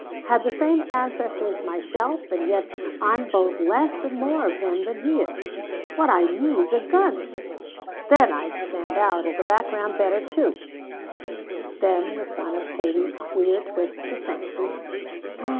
"Had the same ancestors myself, and yet I'm both less and more of them than he is. What I need's a gun! Then I'd stand out of the background better, too." Then with one of Katie's queer twists of fancy Ann!